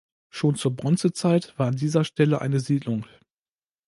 Schon zur Bronzezeit war an dieser Stelle eine Siedlung.